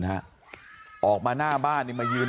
บอกแล้วบอกแล้วบอกแล้ว